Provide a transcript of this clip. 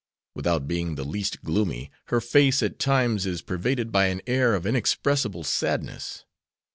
Without being the least gloomy, her face at times is pervaded by an air of inexpressible sadness.